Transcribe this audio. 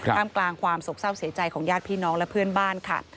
กลางกลางความโศกเศร้าเสียใจของญาติพี่น้องและเพื่อนบ้านค่ะ